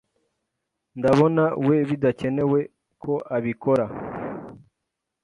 Ndabonawe bidakenewe ko abikora.